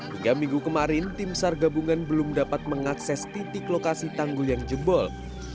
hingga minggu kemarin tim sar gabungan belum dapat mengakses titik lokasi tanggul yang jebol